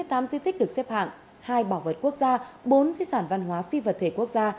các di tích được xếp hạng hai bảo vật quốc gia bốn di sản văn hóa phi vật thể quốc gia